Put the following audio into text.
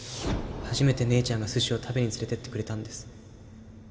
初めて姉ちゃんが寿司を食べに連れてってくれたんです